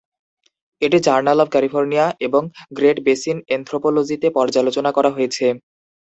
এটি journal of California এবং Great Basin এনথ্রোপলজিতে পর্যালোচনা করা হয়েছে।